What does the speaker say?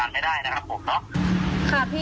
อ่าผมกดเริ่มทำรายการครับผม